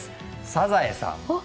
「サザエさん」